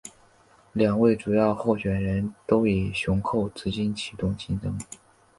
两位主要候选人都以雄厚资金启动竞选。